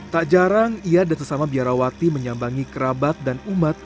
tak jarang ia dan sesama biarawati menyambangi kerabat dan umat